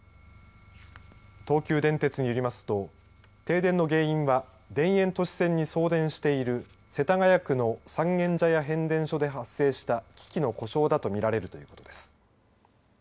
東急電鉄によりますと停電の原因は田園都市線に送電している世田谷区の三軒茶屋変電所で発生した機器の故障だと見られるということです。